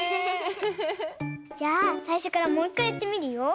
じゃあさいしょからもういっかいやってみるよ。